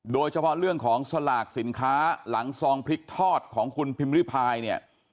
โดยเฉพาะเรื่องของสลากสินค้าหลังซองพริกทอดของคุณพิมริพายเนี่ย